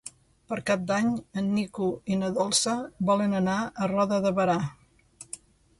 Per Cap d'Any en Nico i na Dolça volen anar a Roda de Berà.